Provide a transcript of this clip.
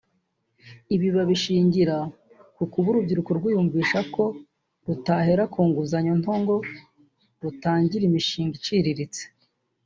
ibi babishingira ku kuba urubyiruko rwiyumvisha ko rutahera ku nguzanyo nto ngo rutangire imishinga iciriritse